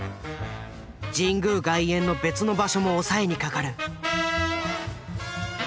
神宮外苑の別の場所も押さえにかかる。